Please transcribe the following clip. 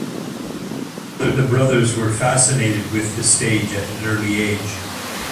The brothers were fascinated with the stage at an early age.